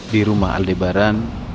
di rumah aldebaran